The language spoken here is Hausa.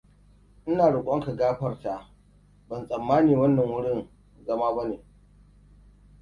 Ina rokonka gafarta. Ban tsammani wannan wurin zama ba ne.